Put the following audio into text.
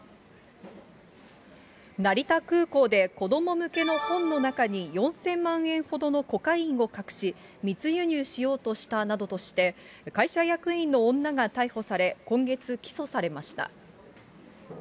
成田空港で子ども向けの本の中に、４０００万円ほどのコカインを隠し、密輸入しようとしたなどとして、会社役員の女が逮捕され、今月、起訴されました。